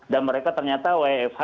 dan mereka ternyata wfh